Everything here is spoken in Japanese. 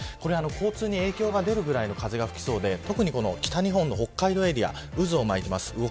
交通に影響が出るぐらいの風が吹きそうで、特に北日本の北海道エリア渦を巻いています。